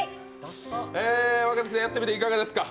えー、若槻さん、やってみていかがですか。